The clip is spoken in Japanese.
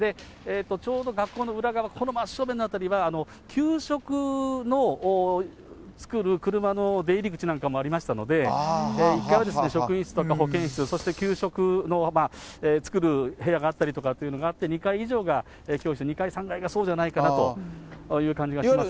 ちょうど学校の裏側、この真正面の辺りは、給食の作る車の出入り口なんかもありましたので、１階は職員室とか保健室、そして給食の、作る部屋があったりとかっていうのがあって、２階以上が教室、２階、３階がそうじゃないかなという気がしますね。